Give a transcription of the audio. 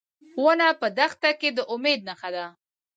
ونه په دښته کې د امید نښه ده.